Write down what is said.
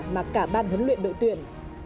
mà cả ban huấn luyện đội tuyển